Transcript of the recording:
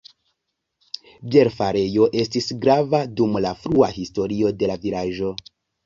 Bierfarejo estis grava dum la frua historio de la vilaĝo.